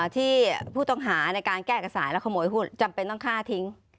ที่ผู้ต้องหาในการแก้กระสายและขโมยหุ้นจำเป็นต้องฆ่าทิ้ง